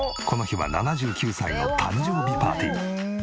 この日は７９歳の誕生日パーティー。